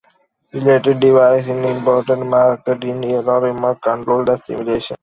Recently devices have been introduced and marketed to allow remote controlled stimulation.